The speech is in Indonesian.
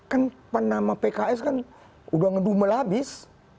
kan penama pks kan udah ngedumel abis